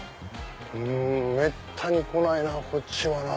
めったに来ないなこっちはな。